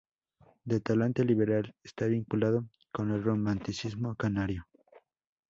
De talante liberal, está vinculado con el romanticismo canario.